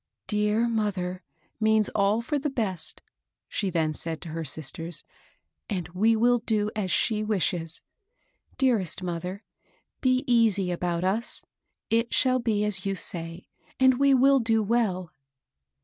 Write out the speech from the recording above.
"Dear mother means all for the best," she then said to her sisters, " and we will do as she wishes. Dearest mother, be easy about us; it shall be as you say, and we will do well."